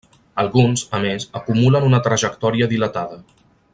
Alguns, a més, acumulen una trajectòria dilatada.